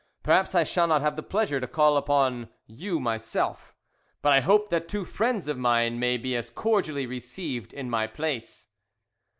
Perhaps I shall not have the pleasure to call upon you myself, but I hope that two friends of mine may be as cordially received in my place."